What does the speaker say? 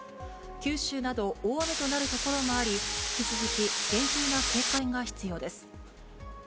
九州など大雨となる所もあり、引き続き厳重な警戒が必要です。